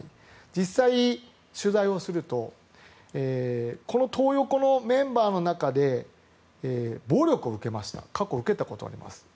実際、取材をするとこのトー横のメンバーの中で暴力を受けました過去、受けたことあります。